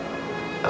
untuk membantu kamu